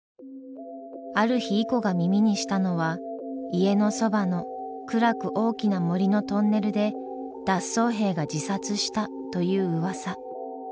ある日イコが耳にしたのは「家のそばの暗く大きな森のトンネルで脱走兵が自殺した」といううわさ。